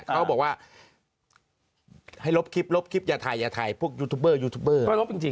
เขาบอกว่าให้ลบคลิปอย่าถ่ายอย่าถ่ายพวกยูทูปเปอร์